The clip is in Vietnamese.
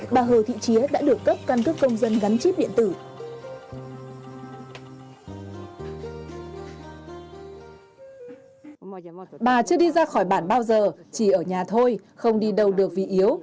bà chưa đi ra khỏi bản bao giờ chỉ ở nhà thôi không đi đâu được vì yếu